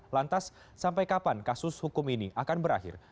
lantas sampai kapan kasus hukum ini akan berakhir